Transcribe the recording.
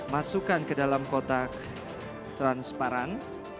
masukkan ke dalam kotak transparan